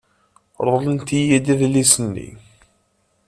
Reḍlent-iyi-d adlis-nni.